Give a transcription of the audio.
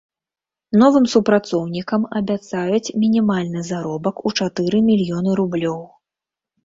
Новым супрацоўнікам абяцаюць мінімальны заробак у чатыры мільёны рублёў.